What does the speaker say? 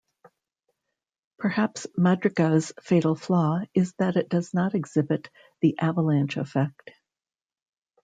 Perhaps Madryga's fatal flaw is that it does not exhibit the avalanche effect.